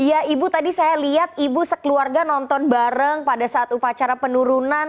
iya ibu tadi saya lihat ibu sekeluarga nonton bareng pada saat upacara penurunan